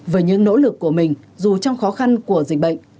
với những nỗ lực của mình dù trong khó khăn của dịch bệnh